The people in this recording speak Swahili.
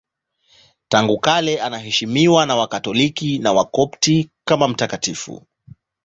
Tangu kale anaheshimiwa na Wakatoliki na Wakopti kama mtakatifu.